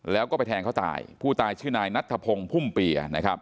แล้วก็ไปแทงเขาตายผู้ตายชื่อนายนัทธพงศ์พุ่มเปีย